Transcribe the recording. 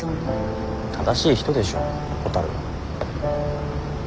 正しい人でしょほたるは。